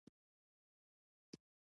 ما هڅه کوله چې دوی یوځای وساتم